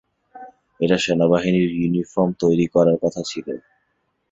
এটা সেনাবাহিনীর ইউনিফর্ম তৈরি করার কথা ছিল।